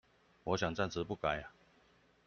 我想暫時不改